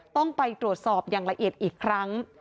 ต้องไปตรวจสอบอย่างละเอียดอีกครั้ง